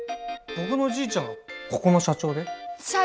僕のじいちゃんがここの社長で。